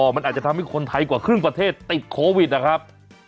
มันอาจจะทำให้คนไทยกว่าครึ่งประเทศติดโควิดนะครับ